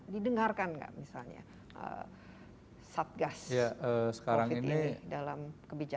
didengarkan nggak misalnya satgas covid ini dalam kebijakan